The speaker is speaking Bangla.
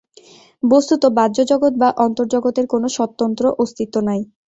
বস্তুত বাহ্যজগৎ বা অন্তর্জগতের কোন স্বতন্ত্র অস্তিত্ব নাই।